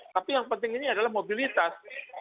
tapi yang penting ini adalah mobilitas